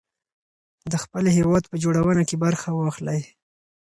د خپل هېواد په جوړونه کې برخه واخلئ.